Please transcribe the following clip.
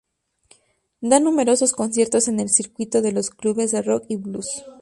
Dan numerosos conciertos en el circuito de los clubes de rock y blues.